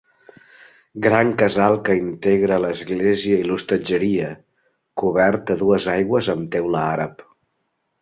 Gran casal que integra l'església i l'hostatgeria, cobert a dues aigües amb teula àrab.